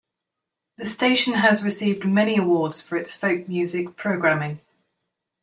The station has received many awards for its folk music programming.